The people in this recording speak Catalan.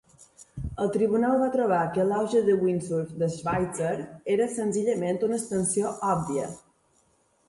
El tribunal va trobar que l'auge de windsurf de Schweitzer era "senzillament una extensió obvia".